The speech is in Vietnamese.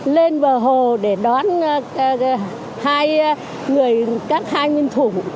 lên bờ hồ để đón hai người các hai nguyên thủ